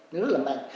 nó rất là mạnh